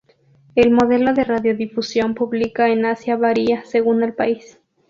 El modelo de radiodifusión pública en Asia varía, según el país.